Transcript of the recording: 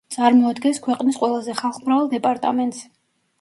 წარმოადგენს ქვეყნის ყველაზე ხალხმრავალ დეპარტამენტს.